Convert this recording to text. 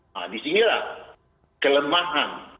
nah disinilah kelemahan